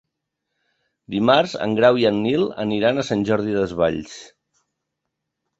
Dimarts en Grau i en Nil aniran a Sant Jordi Desvalls.